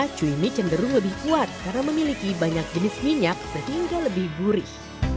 cui mie cenderung lebih kuat karena memiliki banyak jenis minyak sehingga lebih gurih